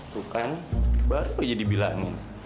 tuh kan baru aja dibilangin